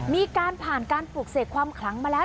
มีการผ่านการปลูกเสกความคลังมาแล้ว